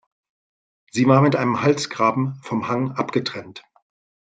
Sie war mit einem Halsgraben vom Hang abgetrennt.